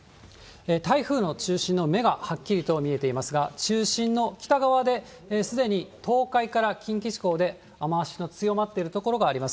台風の中心の目がはっきりと見えていますが、中心の北側ですでに東海から近畿地方で雨足の強まっている所があります。